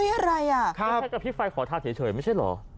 อะไรอ่ะครับใช่แต่พี่ไฟขอทางเฉยไม่ใช่เหรอ